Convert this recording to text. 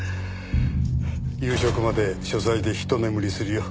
夕食まで書斎でひと眠りするよ。